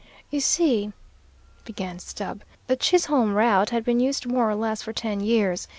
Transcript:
"You see," began Stubb, "the Chisholm route had been used more or less for ten years.